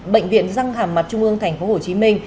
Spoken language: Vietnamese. bệnh viện răng hàm mặt trung ương tp hcm